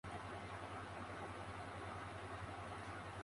Las alas podían ser plegadas para su estacionamientos en hangares reducidos.